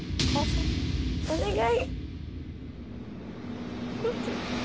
お願い！